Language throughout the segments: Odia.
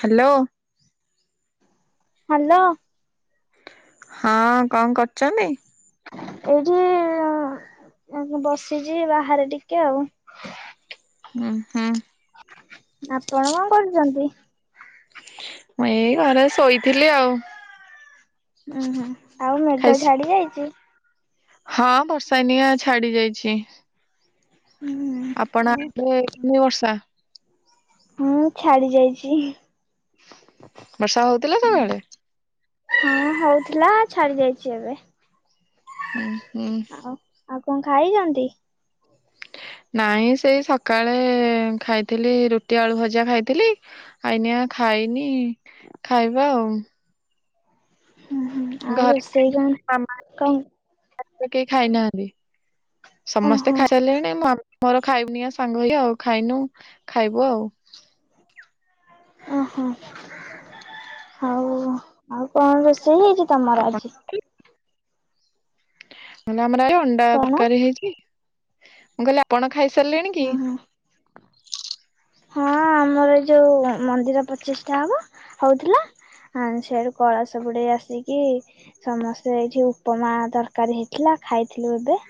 ହାଲୋ। ହାଲୋ। ହଁ କଁ କରୁଚନ୍ତି? ଏଇଠି ବସିଚି, ବାହାରେ ଟିକେ ଆଉ। ହୁଁ-ହୁଁ। ଆପଣ କଣ କରୁଚନ୍ତି? ମୁଁ ଏଇ ଘରେ ଶୋଇଥିଲି ଆଉ। ଉୁଁ- ହୁଁ ଆଉ ଖାଇ ମେଘ ଛାଡି ଯାଇଛି? ହଁ ବର୍ଷା ଏନିଆ ଛାଡି ଯାଇଛି। ହୁଁ। ଆପଣ ଆଉ [unintelligible] ମୁଁ ଛାଡି ଯାଇଛି। ବର୍ଷା ହଉ ହଁ ହଉଥିଲା, ଛାଡି ଯାଇଛି ଏବେ। ହୁଁ-ହୁଁ। ହ ଆଉ କଣ ଖାଇଛନ୍ତି? ନାଇଁ ସେଇ ସକାଳେ ଖାଇଥିଲି ରୁଟି, ଆଳୁ ଭଜା ଖାଇଥିଲି ଆଇନିଆ ଖାଇନି, ଖାଇବା ଆଉ। ହୁଁ-ହୁଁ ଆଉ ରୋଷେଇ କଣ-ଙ୍କ ଆଜି ତ କେହି ଖାଇନାହାନ୍ତି, ସମସ୍ତେ ଓହୋ ଖାଇ ସାରିଲେଣି ମୋ ବାପ୍ ମୋର ଖାଇବୁନିଆ ସାଙ୍ଗ ହେଇକି ଆଉ, ଖାଇନୁ ଖାଇବୁ ଆଉ। ଓହୋ, ଆଉ ଆଉ କଣ ରୋଷେଇ ହେଇଛି ତମର ଆପଣ ଆଜି? ମୁଁ କହିଲି ଆମର ଆଜି ଅଣ୍ଡା କଣ? ତରକାରୀ ହେଇଛି, ମୁଁ କହିଲି ଆପଣ ଖାଇସାରିଲେଣି କି? ହୁଁ ହୁଁ ହଁ ଆମର ଏ ଯୋଉ ମନ୍ଦିର ପ୍ରତିଷ୍ଠା ହବ, ହଉଥିଲା। ହଁ ସେଆଡୁ କଳସ ବୁଡେଇ ଆସିକି ସମସ୍ତେ ଏଇଠି ଉପମା ତରକାରୀ ହେଇଥିଲା ଖାଇଥିଲୁ ଏବେ।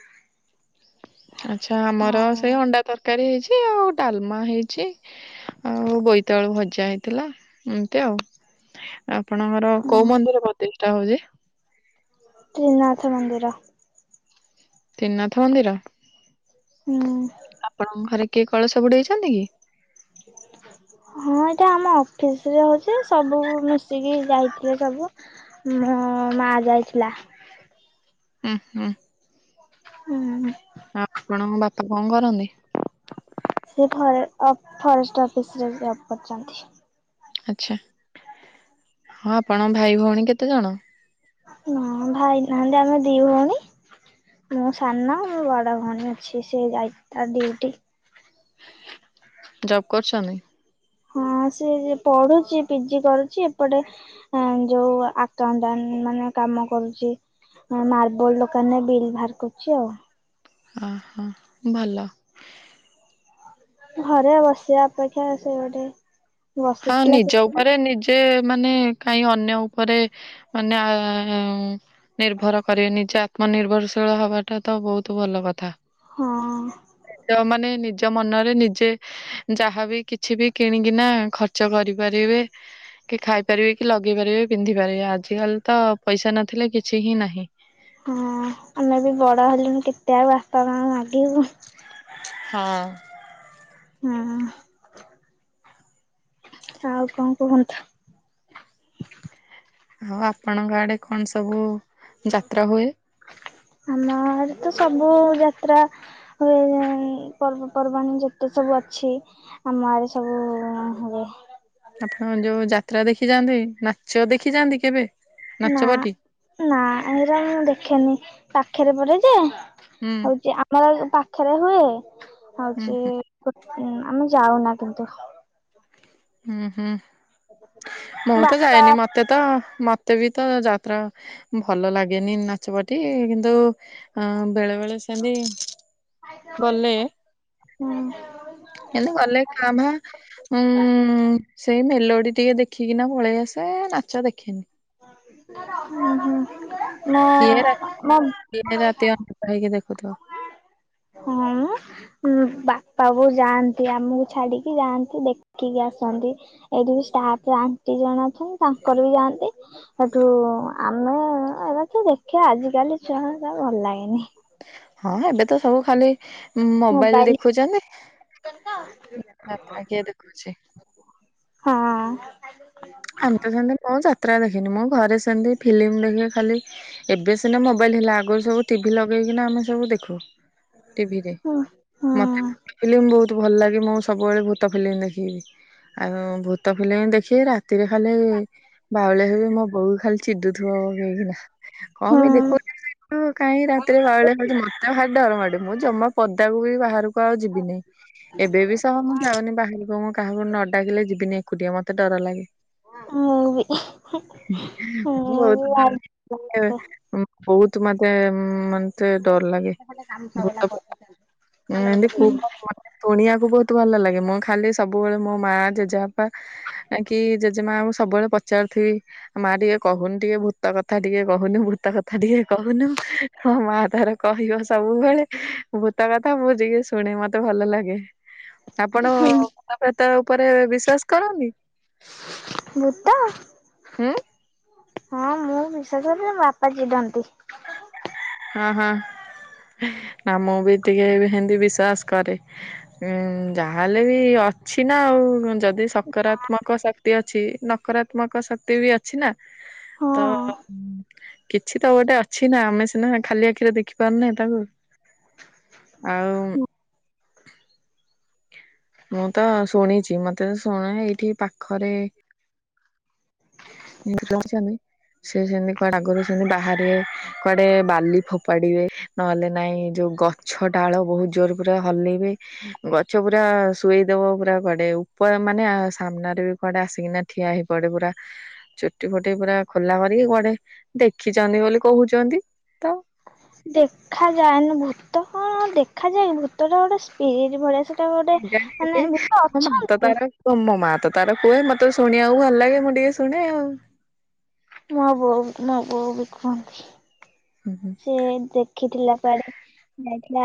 ଆଚ୍ଛା ଆମର ଆଉ ସେଇ ଅଣ୍ଡା ତରକାରୀ ହେଇଛି ଆଉ ଡାଲମା ହେଇଚି। ଆଉ ବୋଇତାଳୁ ଭଜା ହେଇଥିଲା, ଏମିତି ଆଉ। ଆପଣଙ୍କର କୋଉ ହୁଁ ମନ୍ଦିର ପ୍ରତିଷ୍ଠା ହଉଛି? ତ୍ରିନାଥ ମନ୍ଦିର। ତ୍ରିନାଥ ମନ୍ଦିର, ହୁଁ ଆପଣଙ୍କ ଘରେ କିଏ କଳସ ବୁଡେଇଛନ୍ତି କି? ହଁ ଏଇଟା ଆମ ଅଫିସ୍ ରେ ହଉଛି ସବୁ ମିଶିକି ଯାଇଥିଲେ ସବୁ। ମୋ ମା ଯାଇଥିଲା। ଉଁ -ହୁଁ। ହୁଁ-ହୁଁ-ହୁ ଆଉ ଆପଣଙ୍କ ବାପା କଣ କରନ୍ତି? ସେ ଫରେ ଅପ୍ ଫରେଷ୍ଟ ଅଫିସ୍ ରେ ଜବ୍ କରିଚନ୍ତି। ଆଛା, ହଁ ଆପଣଙ୍କ ଭାଇ ଭଉଣୀ କେତେ ଜଣ? ନାଁ ଭାଇ ନାହାନ୍ତି ଆମେ ଦି ଭଉଣୀ। ମୁଁ ସାନ ମୋ ବଡ ଭଉଣୀ ଅଛି ସେ ଯାଇଛି ତା ଡିଉଟି। ଜବ୍ କରୁଚନ୍ତି? ହଁ ସିଏ ପଡୁଚି ପିଜି କରୁଚି ଏପଟେ ହଁ ଯୋଉ ଆକାଉଣ୍ଟ ମାନେ କାମ କରୁଚି। ମାର୍ବଲ ଦୋକାନରେ ବିଲ୍ ବାହାର କରୁଛି ଆଉ। ଓ ହ ଭଲ। ଘରେ ବସିବା ଅପେକ୍ଷା ସେ ଗୋଟେ ହଁ ବସୁଥିଲା ନିଜ ସେଠି ଉପରେ ନିଜ ସେ ମାନେ କାହିଁ ଅନ୍ୟ ଉପରେ ମାନେ [unintelligible] ନିର୍ଭର କରିବେ ନିଜେ ଆତ୍ମ ନିିର୍ଭରଶୀଳ ହବାଟା ତ ବହୁତ୍ ଭଲ କଥା। ହଁ ଯୋଉ ମାନେ ନିଜ ନିଜ ମନରେ ନିଜେ ଯାହାବି କିଛି ବି କିଣିକିନା ଖର୍ଚ୍ଚ କରିପାରିବେ। କି ଖାଇ ପାରିବେକି ଲଗେଇ ପାରିବେ। ପିନ୍ଧି ପାରିବେ ଆଜିକାଲିତ ପଇସା ନଥିଲେ କିଛିହିଁ ନାହିଁ। ହଁ ଆମେବି ବଡ ହେଲୁଣି କେତେ ଆଉ ବାପା ମାଙ୍କୁ ମାଗିବୁ। ହଁ। ଉୁଁ ହୁଁ ଆଉ କଣ କୁହନ୍ତୁ? ହଁ ଆପଣଙ୍କ ଆଡେ କଣ ସବୁ ଯାତ୍ରାହୁଏ। ଆମ ଆଡେତ ସବୁଯାତ୍ରା। ପର୍ବପର୍ବାଣି ପର୍ବପର୍ବାଣି ଯେତେ ସବୁ ଅଛି। ଆମ ଆଡେ ସବୁ ଉୁଁ ଉୁଁ ହୁଏ। ଆପଣ ଯୋଉ ଯାତ୍ରା ଦେଖିଯାଆନ୍ତି ନାଚ ଦେଖିଯାଆନ୍ତି କେବେ? ନାଚ ପାଟି ନାଁ ନାଁ ଏରା ମୁଁ ଦେଖେନି ପାଖରେ ପଡେଯେ। ହୁଁ ହଉଛି ଆମର ପାଖରେହୁଏ ହୁଁ ହୁଁ ହୁଁ। ହଉଛି। ଆମେ ଯାଉନା କିନ୍ତୁ। ହୁଁ ହୁଁ ମୁଁତ ବାପା ଯାଏନି ମତ ମୋତେତ ମୋତେବିତ ଯାତ୍ରା ଭଲଲାଗେନି ନାଚପାର୍ଟି କିନ୍ତୁ। ଅଁ ବେଳେ ବେଳେ ସେମିତି ଗଲେ ହୁଁ ଏମିତି ଗଲେ କାଁ ଭାଁ ଉୁଁ ଉୁଁ। ହୁଁ ସେଇ ମେଲୋଡି ଟିକିଏ ଦେଖିକିନା ପଳେଇଆସେ ନାଚ ଦେଖେନି। ଉୁଁ ହୁଁ ମୋ ମୋ ଇଏତାର ରାତି ଅନିଦ୍ରା ହେଇକି ଦେଖୁଥିବ। [inaudible] ଉଁ ବାପାବୋଉ ଯାଆନ୍ତି ଆମକୁ ଛାଡିକି ଯାଆନ୍ତି ଦେଖିକି ଆସନ୍ତି। ଏଇଠିବି ଷ୍ଟାପ ଆଣ୍ଟି ଜଣେ ଅଛନ୍ତି ତାଙ୍କରବି ଯାଆନ୍ତି। ସେଠୁ ଆମେ ଏରାକିଏ ଦେଖିଆ ଆଜିକାଲି ଛୁଆହେରିକାକୁ ଭଲ ଲାଗେନି। ହଁ ଏବେତ ସବୁଖାଲି ଉୁଁ ମୋବାଇଲ ଦେଖୁଚନ୍ତି ଆ ଆଉକିଏ ଦେଖୁଚି। ହଁଅ ଅଁ। ଆମେତ ସେମତି କଣ ଯାତ୍ରା ଦେଖିନି ମୁଁ ଘରେ ସେମତି ଫିଲ୍ମ ଦେଖେ ଖାଲି। ଏବେ ସିନା ମୋବାଇଲ ହେଲା ଆଗରୁସବୁ ଟିଭି ଲଗେଇକିନା ଆମେସବୁ ଦେଖୁ। ଟିଭିିରେ। ଭୂତ ମତେ ଭୂତଫିଲ୍ମ ବହୁତ ଭଲଲାଗେ ମୁଁ ସବୁବେଳେ ଭୂତଫିଲ୍ମ ଦେଖିବି। ଆଉ ଭୂତଫିଲ୍ମ ଦେଖିରା ରାତିରେ ଖାଲି ବାଉଳି ହେବି ମୋ ବୋଉ ଖାଲି ଚିଡୁଥିବ ହେଇକିନା। କଣ ହଁ ପାଇଁ ଦେଖୁଛୁ [unintelligible] ଉୁଁ କାହିଁକି ରାତିରେ ବାଉଳି ହଉଚୁ ମତେଭାରି ଡରମାଡେ ମୁଁ ଜମା ପଦାକୁବି ବାହାରକୁ କ ଆଉ ଯିବିିନି ଏବେବି ସହ ମୁଁ ଯାଉନି ବାହାରକୁ ମୁଁ କାହାକୁ ନଡାକିଲେ ଯିବିନି ଏକୁଟିଆ ମତେ ଡରଲାଗେ। ମୁଁବି [unintelligible] [unintelligible] ବହୁତ ମତେ ମନ ମତେ ଡରଲାଗେ ଭୂତକୁ ଏମତି କହୁକହୁ କହିଦେନି। ସୁଣିଆକୁ ବହୁତ ଭଲଲାଗେ ମୁଁ ଖାଲି ସବୁବେଳେ ମୋ ମା ଜେଜେବାପା କି ଜେଜେ ଜେଜେ ମାଆଙ୍କୁ ସବୁବେଳେ ପଚାରୁଥିବି। ମା ଟିକିଏ କହୁନୁ ଟିକିଏ ଭୂତକଥା ଟିକିଏ କହୁନୁ ଭୂତକଥା ଟିକିଏ କହୁନୁ। ହଁ ମା ତାର କହିବ ସବୁବେଳେ ଭୂତକଥା ମୁଁ ଟିକିଏ ଶୁଣେ ମତେ ଭଲଲାଗେ। ଆପଣ ଭୂତ ପ୍ରେତ ଉପରେ ବିଶ୍ଵାସ କରନ୍ତି। ମୁଁତ ହୁଁ ହଁ ମୁଁ ବିଶ୍ୱାସ କରେ ବାପା ଚିଡନ୍ତି। ହଁ ହଁ ନା ମୁଁ ବି ଟିକେ ହେମିନ୍ତି ବିଶ୍ଵାସ କରେ। ଉଁ ଯାହାହେଲେ ବି ଅଛି ନା ଆଉ ଯଦି ସକରାତ୍ମକ ଶକ୍ ତି ଅଛି ନକରାତ୍ମକ ଶକ୍ତି ବି ଅ କିଛି ନା ତ ହଁ। କିଛି ତ ଗୋଟେ ଅଛି ନା ଆମେ ସିନା ଖାଲି ଆଖିରେ ଦେଖି ପାରୁନେ ତାକୁ ଆଉ ମୁଁ ତ ଶୁଣିଚି ମତେ ଯେ ଶୁଣାଏ ଏଇଠି ପାଖରେ। [unintelligible] ସିଏ ସେମିତି କୁଆଡେ ଆଗରୁ ସେମିତି ବାହାରିବେ କୁଆଡେ ବାଲି ଫୋପାଡିବେ। ନହେଲେ ନାଇଁ ଯୋଉ ଗଛ ଡାଳ ବହୁତୁ ଜୋରେ ପୁରା ହଲେଇବେ ଗଛ ପୁରା ଶୁଆଇଦବ ପୁରା କୁଆଡେ ଉପରେ ମାନେ ସାମ୍ନାରେ ବି କୁଆଡେ ଆସିକିନା ଠିଆ ହେଇ ପଡେ ପୁରା। ଚୁଟି ଫୁଟି ପୁରା ଖୋଲା କରିକି କୁଆଡେ ଦେଖିଚନ୍ତି ବୋଲି କହୁଚନ୍ତି। ଦେଖା ଯାଏନି ଭୂତ କଣ ଦେଖା ଯାଏ ଭୂତଟା ଗୋଟେ ସ୍ପିରିଟି ଭଳିଆ ସେ ସେଟା ଗୋଟେ ମାନେ କେଜାଣି ଭୁଟ ମୋ ମା ଅଛନ୍ତି। ତାର ତ ମୋ ମା ତ ତାର କୁହେ ମତେ ଶୁଣିବାକୁ ଭଲ ଲାଗେ ମୁଁ ଟିକେ ଶୁଣେ ଆଉ। ମୋ ବୋଉ ମୋ ବୋଉ ବି କୁହନ୍ତି। ହୁଁ ହୁଁ। ଯେ ଦେଖିଥିଲା କୁଆଡେ। ଯାଇଥିଲା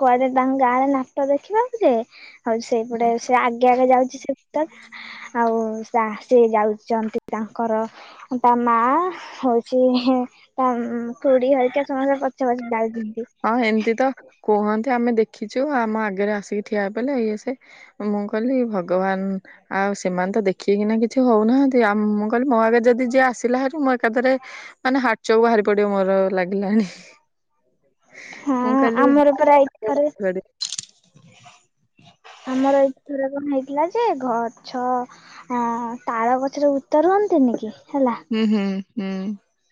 କୁଆଡେ ତାଙ୍କ ଗାଁରେ ନାଟ ଦେଖିବାକୁ ଯେ ଆଉ ସେଇପଟେ ସେ ଆଗେ ଆଗେ ଯାଉଚି ସେ ତ ଆଉ ସା ସେ ଯାଉଚନ୍ତି ତାଙ୍କର। ତା ମା ହୋଉଚି ହେଁ ତାମ୍ ଖୁଡି ହେରିକା ସମସ୍ତେ ପଛେ ପଛେ ଯାଉଚନ୍ତି। ହଁ ଏମତି ତ କୁହନ୍ତି ଆମେ ଦେଖିଛୁ ଆମ ଆଗରେ ଆସିକି ଠିଆ ହେ ପଲେ ଇଏସିଏ। ମୁଁ କହିଲି ଭଗବାନ୍। ଆଉ ସେମାନେ ତ ଦେଖିକିନା କିଛି ହୋଉନାହାନ୍ତି ଆଉ ମୁଁ କହିଲି ମୋ ଆଗେ ଯଦି ଯିଏ ଆସିଲା ହାରି ମୁଁ ଏକାଥରେ ମାନେ ହାଟ୍ ଚୋକ ବାହାରି ପଡିବ ମୋର ଲାଗିଲାାଣି। ହଁ ଆମର ପୁରା ଏଇଥରେ। ସେ ଆମର ଏଇଠି ଥରେ କଣ ହେଇଥିଲା ଯେ ଗଛ। ହଁ ତାଳ ଗଛରେ ଭୁତ୍ତ ରୁହନ୍ତିନେହିଁ କି ହେଲା। ହୁଁ ହୁଁ ହୁଁ।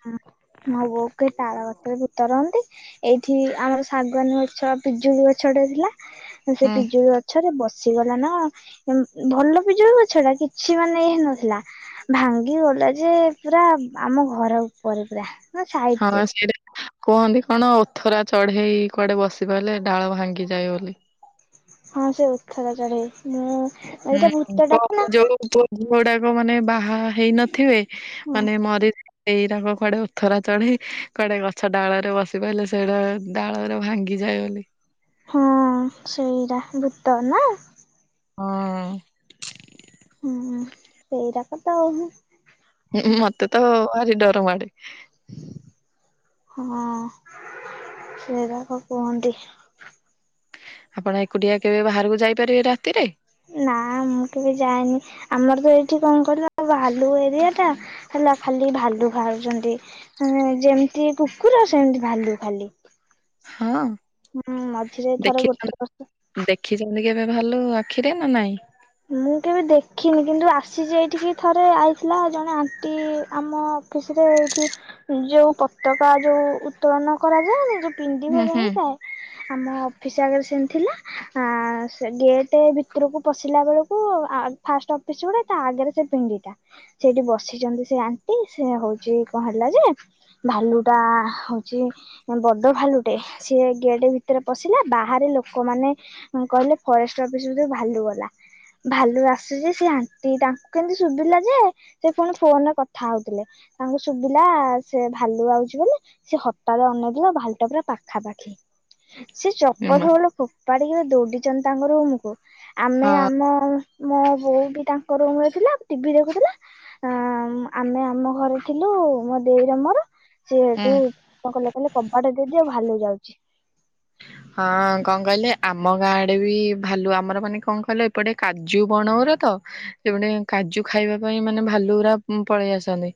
ହୁଁ ମୋ ବୋଉ କୁହେ ତାଳ ଗଛରେ ଭୂତ ରହନ୍ତି। ଏଇଠି ଆମର ଶାଗୁାନ ଗଛ ପିଜୁଳି ଗଛ ଟେ ଥିଲା ସେ ହୁଁ ପିଜୁଳି ଗ ଗଛରେ ବସିଗଲା ନା ଭଲ ପିଜୁଳ ଗଛ ଟା କିଛି ମାନେ ଇଏହେଇ ନଥିଲା। ଭାଙ୍ଗି ଗଲା ଯେ ପୁରା ଆମ ଘର ଉପରେ ପୁରା। ନା ହଁ ସାଇଡ ପା ରେ। ସିଆଡେ। କୁହନ୍ତି କଣ ଓଥରା ଚଢୋଇ କୁଆଡେ ବସିପଇଲେ ଡାଳ ଭାଙ୍ଗିଯାଏ ବୋଲି। ହଁ ସେ ଓଥରା ଚଡୋଇ ମୁଁ ଏଇଟା ହୁଁ ଭୂତ କୁହ ଡାକ ନା କଣ? ଯୋଉ [inaudible] ଝୁଅ ଗୁଡାକ ମାନେ ବାହା ହେଇନଥିବେ ହଁ ମାନେ ମରି ସେଇରାକ କୁଆଡେ ଓଥରା ଚଢୋଇ କୁଆଡେ ଗଛ ଡାଳ ରେ ବସି ପଇଲେ ସେଇଡା ଡାଳରେ ଭାଙ୍ଗିଯାଏ ବୋଲି। ହଁ ସେଇରା ଭୂତ ନା। ହଁ। ହୁଁ ସେଇରା [unintelligible] ହୁଁ-ହୁଁ ମତେ ତ ଭାରି ଡର ମାଡେ। ହଁ [unintelligible] କୁହନ୍ତି। ଆପଣ ଏକୁଟିଆ କେବେ ବାହାରକୁ ଯାଇପାରିବେ ରାତିରେ? ନା ମୁଁ କେବେ ଯାଏନି ଆମର ତ ଏଇଠି କଣ କହିଲ ଭାଲୁ ଏରିଆ ଟା ହେଲା ଖାଲି ଭାଲୁ ବାହାରୁଚନ୍ତି। ମାନେ ଯେମ୍ତି କୁକୁର ସେମ୍ତି ଭାଲୁ ଖାଲି। ହଁ ହୁଁ ମଝିରେ ଥରେ ଗୋଟେ ବର୍ଷ ଦେଖିଚନ୍ତି କେବେ ଭାଲୁ ଆଖିରେ ନା ନାଇଁ? ମୁଁ କେବେ ଦେଖିନି କିନ୍ତୁ ଆସିଚି ଏଇଠିକି ଥରେ ଆଇଥିଲା ଜଣେ ଆଣ୍ଟି ଆମ ଅଫିସ୍ ରେ ଏଇଠି ଯୋଉ ପତାକା ଯୋଉ ଉତ୍ତୋଳନ କରାଯାଏନି [unintelligible] ହୁଁ ପିଣ୍ଡିବ ହୁଁ ଜାଣିଚ? ଆମ ଅଫିସ୍ ଆଗରେ ସେମ୍ତି ଥିଲା ଆ ସେ ଗେଟ୍ ଭିତରକୁ ପ ଶିଲା ବେଳକୁ ଆ ଫାଷ୍ଟ ଅଫିସ୍ ପଡେ ତା ଆଗରେ ସେ ପିଣ୍ଡିଟା ସେଇଠି ବସିଚନ୍ତି ସେ ଆଣ୍ଟି ସେ ହଉଚି କଣ ହେଲା ଯେ ଭାଲୁ ଟା ହଉଚି ବଡ ଭାଲୁଟେ ସିଏ ଗେଟ୍ ଭିତରେ ପଶିଲା ବାହାରେ ଲୋକମାନେ କହିଲେ ଫରେଷ୍ଟ ଅଫିସ୍ [unintelligible] ଭାଲୁ ଗଲା। ଭାଲୁ ଆସୁଚି ସେ ଆଣ୍ଟି ତାଙ୍କୁ କେମ୍ତି ଶୁଭିଲା ଯେ ସେ ପୁଣି ଫୋନ୍ ରେ କଥା ହଉଥିଲେ ତାଙ୍କ ଶୁଭିଲା ସେ ଭାଲୁ ଆଉଚି ବୋଲି ସେ ହଠାତ୍ ଅନେଇ [unintelligible] ଭାଲୁଟା ପୁରା ପାଖାପାଖି। ସେ ଚପଲ୍ ଜମା। ଫପଲ୍ ଫୋପାଡିକ ଦୌଡିଚନ୍ତି ତାଙ୍କ ରୁମ୍ କୁ ଆମେ ହଁ ମୋ-ମୋ ବୋଉ ବି ତାଙ୍କ ରୁମ୍ ରେ ଥିଲା ଟିଭି ଦେଖୁଥିଲା ଆ ଆମେ ଆମ ଘରେ ଥିଲୁ ମୋ ଦେଇର ମୋର ସିଏ ହୁଁ। [unintelligible] କଣ କହିଲେ-କହିଲେ କବାଟ ଦେଇଦିଅ ଭାଲୁ ଯାଉଚି। ହଁ କଣ କହିଲେ ଆମ ଗାଁ ଆଡ଼େ ବି ଭାଲୁ ଆମର ମାନେ କଣ କହିଲେ ଏପଟେ କାଜୁ ବଣ [unintelligible] ତ [unintelligible] କାଜୁ ଖାଇବା ପାଇଁ ମାନେ ଭାଲଗୁରା ପଳେଇ ଆସନ୍ତି।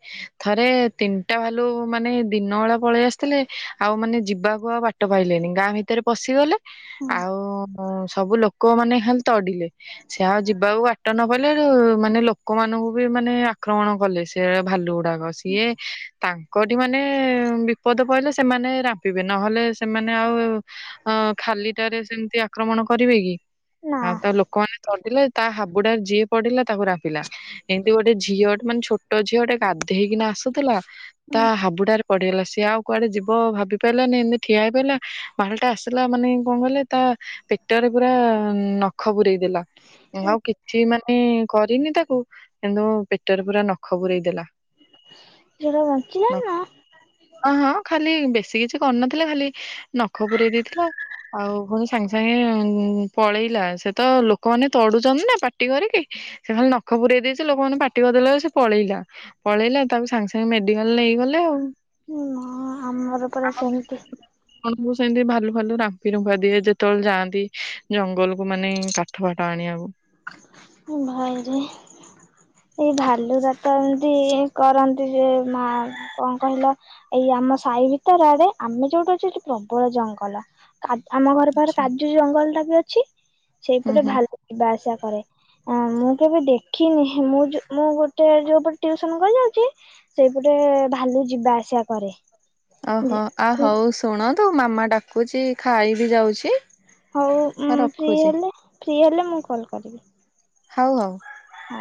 ଥରେ ତିନିଟା ଭାଲୁ ମାନେ ଦିନ ବେଳା ପଳେଇ ଆସିଥିଲେ ଆଉ ମାନେ ଯିବାକୁୁ ଆଉ ବା ଟ ପାଇଲେନି ଗାଁ ଭିତରେ ପଶିଗଲେ ଆଉ ସବୁ ଲୋକ ମାନେ ଖାଲି ତଡିଲେ। ସେ ଆଉ ଯିବାକୁ ବାଟ ନ ପାଇଲା [unintelligible] ମାନେ ଲୋକମାନଙ୍କୁ ବି ମାନେ ଆକ୍ରମଣ କଲେ। [unintelligible] ଭାଲୁ ଗୁଡାକ ସିଏ ତାଙ୍କଠି ମାନେ ବିପଦ ପଇଲେ ସେମାନେ ରାମ୍ପିବେ ନହେଲେ ସେମାନେ ଆଉ ଅ ଖାଲିଟାରେ ସେମ୍ତି ଆକ୍ରମଣ କରିବେ କି ନା ଆଉ ତ ଲୋକମାନେ ତଡିଲେ ତା ହାବୁଡା ଯିଏ ପଡିଲା ତାକୁ ରାମ୍ପିଲା। ଏମ୍ତି ଗୋଟେ ଝିଅ ମାନେ ଛୋଟ ଝିଅଟେ ଗାଧେଇକିନା ଆସୁଥିଲା ତା ହାବୁଡାରେ ପଡିଗଲା ସିଏ ଆଉ କୁଆଡେ ଯିବ ଭାବି ପାରିଲାନି ଏମ୍ତି ଠିଆ ହେଇ ପଇଲା ଭାଲୁଟା ଆସିଲା ମାନେ କଣ କହିଲେ ତା ପେଟରେ ପୁରା ନଖ ପୂରେଇ ଦେଲା। ଆଉ କିଛି ମାନେ କରିନି ତାକୁ କିନ୍ତୁ ପେଟରେ ପୁରା ନଖ ପୂରେଇ ଦେଲା। ଝିଅଟା ବଞ୍ଚିଲାନି ନା? ଅ ହଁ ଖାଲି ବେଶୀ କିଛି କରିନଥିଲା ଖାଲି ନଖ ପୂରେଇ ଦେଇଥିଲା ଆଉ। ଆଉ ଫୁଣି ସାଙ୍ଗେ-ସାଙ୍ଗେ ପଳେଇଲା ସେ ତ ଲୋକମାନେ ତଡୁଚନ୍ତି ନା ପାଟି କରିକି ସେ ଖାଲି ନଖ ପୂରେଇ ଦେଇଚି ଲୋକମାନେ ପାଟି କରିଦେଲେ ସେ ପଳେଇଲା। ପଳେଇଲା ତାକୁ ସାଙ୍ଗେ-ସାଙ୍ଗେ ମେଡିକାଲ୍ ନେଇଗଲେ ଆଉ। ହୁଁ ହଁ ଆମର ପୁରା ସେମ୍ତି ମୁଁ ସେମିତି ଭାଲୁ ଫାଲୁ ରାମ୍ଫି ରୁମ୍ଫା ଦିଏ ଯେତୋଓଳେ ଯାଆନ୍ତି ଜଙ୍ଗଲ କୁ ମାନେ କାଠ ଫାଠ ଆଣିବାକୁ। ଓ ଭାଇରେ? ଏଇ ଭାଲୁୁରାତ ଏମତି କରନ୍ତି ଯେ ମା କଣ କହିଲ ଏଇ ଆମ ସାଇ ଭିତର ଆଡେ ଆମେ ଯୋଉଠି ଅଛୁ ହେଟି ପ୍ରବଳ ଜଙ୍ଗଲ। ଆମ ଘର ପାଖରେ କାଜୁ ଜଙ୍ଗଲ ଟା ବି ଅଛି ହୁଁ ସେଇପଟେ ହୁଁ ଭଲ ଯିବା ଆସିବା କରେ। ମୁଁ କେବେ ଦେଖିନି ମୁଁ ଯୋ ମୁଁ ଗୋଟେ ଯୋଉଟା ଟିଉସନ କରି ଯାଉଚି ସେଇପଟେ ଭାଲୁ ଯିବା ଆସିବା କରେ। ଓହୋ ଆ ହଉ ଶୁଣନ୍ତୁ ମାମା ଡାକୁଚି ଖାଇ ବିି ଯାଉଚି। ହଉ ଫ୍ରି ହେଲେ ଫ୍ରି ହେଲେ ମୁଁ କଲ୍ କରିବି। ହଉ ହଉ। ହଉ।